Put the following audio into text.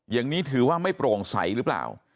อย่างนี้ถือว่าไม่โปร่งใสหรือเปล่า